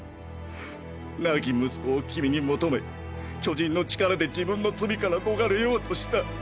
亡き息子を君に求め巨人の力で自分の罪から逃れようとした。